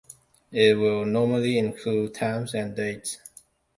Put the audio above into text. It will normally include times and dates.